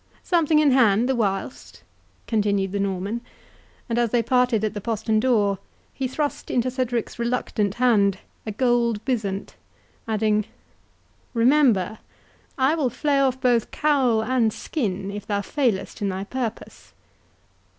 "Something in hand the whilst," continued the Norman; and, as they parted at the postern door, he thrust into Cedric's reluctant hand a gold byzant, adding, "Remember, I will fly off both cowl and skin, if thou failest in thy purpose."